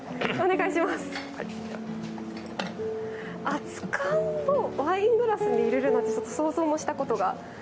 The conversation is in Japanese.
熱燗をワイングラスに入れるなんてちょっと想像もしたことが。